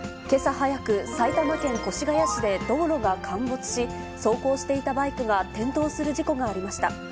けさ早く、埼玉県越谷市で道路が陥没し、走行していたバイクが転倒する事故がありました。